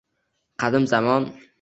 Qadim zamon